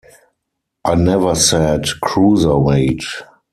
I never said cruiserweight.